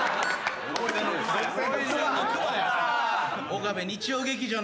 岡部。